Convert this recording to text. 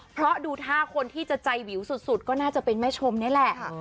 เพราะดูท่าคนที่จะใจวิวสุดก็น่าจะเป็นแม่ชมนี่แหละ